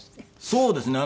そうですね。